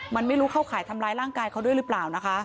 มันไม่รู้เข้าข่ายทำร้ายร่างกายเขาด้วยหรือเปล่านะคะ